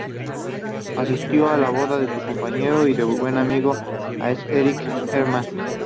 Asistió a la boda de su compañero y buen amigo, el as Erich Hartmann.